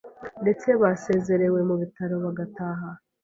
ndetse basezerewe mu bitaro bagataha.